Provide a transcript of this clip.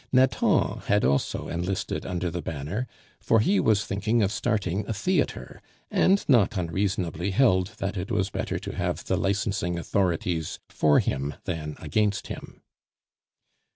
Nathan had also enlisted under the banner, for he was thinking of starting a theatre, and not unreasonably held that it was better to have the licensing authorities for him than against him.